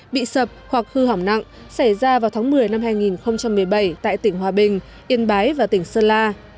bị sập hoặc hư hỏng nặng xảy ra vào tháng một mươi năm hai nghìn một mươi bảy tại tỉnh hòa bình yên bái và tỉnh sơn la